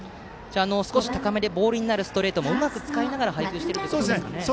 少し高めでボールになるストレートもうまく使いながら配球しているということですかね。